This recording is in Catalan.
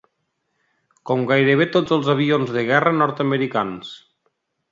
Com gairebé tots els avions de guerra nord-americans.